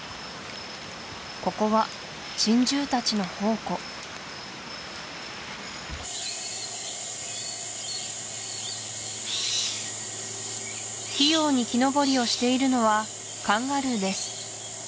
ここは珍獣たちの宝庫器用に木登りをしているのはカンガルーです